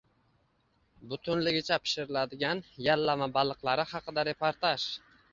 Butunligicha pishiriladigan Yallama baliqlari haqida reportaj